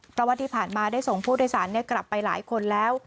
ประวัติภาคมาได้ส่งผู้โดยสารกลับไปหลายคนแล้ว